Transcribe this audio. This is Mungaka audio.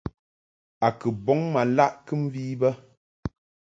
A kɨ bɔŋ ma laʼ kɨmvi bə.